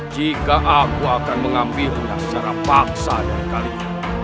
jika aku akan mengambilnya secara paksa dari kalian